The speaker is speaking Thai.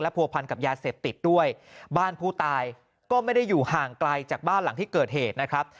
ผัวพันกับยาเสพติดด้วยบ้านผู้ตายก็ไม่ได้อยู่ห่างไกลจากบ้านหลังที่เกิดเหตุนะครับ